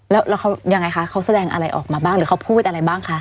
แล้วเขายังไงคะเขาแสดงอะไรออกมาบ้างหรือเขาพูดอะไรบ้างคะ